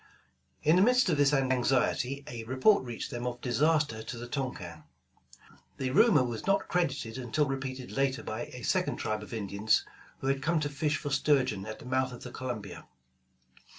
In the midst of this anxiety, a report reached them 166 Voyage of the Tonquin of disaster to the Tonquin. The rumor was not credited until repeated later by a second tribe of In dians, who had come to fish for sturgeon at the mouth of the Columbia.